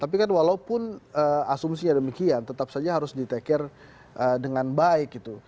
tapi kan walaupun asumsinya demikian tetap saja harus ditekir dengan baik gitu